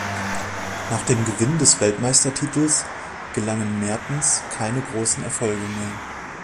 Nach dem Gewinn des Weltmeistertitels gelangen Maertens keine großen Erfolge mehr.